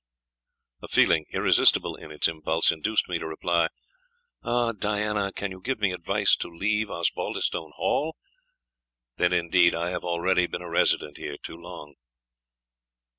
A feeling, irresistible in its impulse, induced me to reply "Ah! Diana, can you give me advice to leave Osbaldistone Hall? then indeed I have already been a resident here too long!"